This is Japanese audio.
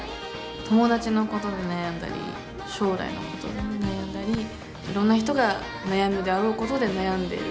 友達のことで悩んだり将来のことで悩んだりいろんな人が悩むであろうことで悩んでいる。